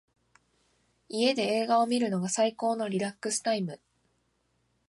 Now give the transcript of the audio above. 家で映画を観るのが最高のリラックスタイム。